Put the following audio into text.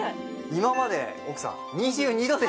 今まで奥さん２２度ですか。